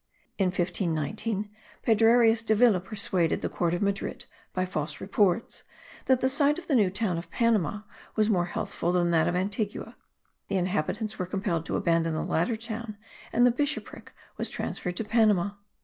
In 1519 Pedrarius Davila persuaded the court of Madrid, by false reports, that the site of the new town of Panama was more healthful than that of Antigua, the inhabitants were compelled to abandon the latter town, and the bishopric was transferred to Panama.